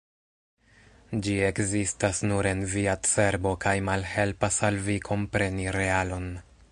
Ĝi ekzistas nur en via cerbo kaj malhelpas al vi kompreni realon.